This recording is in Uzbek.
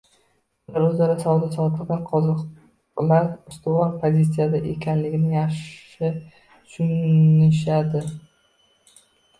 Ular oʻzaro savdo-sotiqda qozoqlar ustuvor pozitsiyada ekanligini yaxshi tushunishadi.